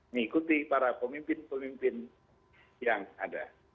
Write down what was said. mengikuti para pemimpin pemimpin yang ada